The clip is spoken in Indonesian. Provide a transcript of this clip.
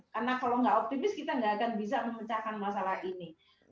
karena kalau nggak optimis kita nggak akan bisa memecahkan masalah ini